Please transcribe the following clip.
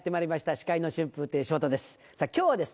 司会の春風亭昇太です。